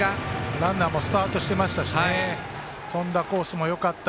ランナーもスタートしてましたし飛んだコースもよかった